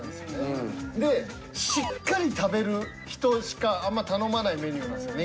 でしっかり食べる人しかあんま頼まないメニューなんですよ。